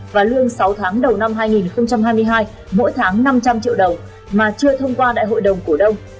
và lương sáu tháng đầu năm hai nghìn hai mươi hai mỗi tháng năm trăm linh triệu đồng mà chưa thông qua đại hội đồng cổ đông